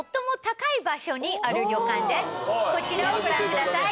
こちらをご覧ください。